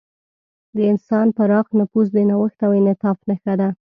د انسان پراخ نفوذ د نوښت او انعطاف نښه ده.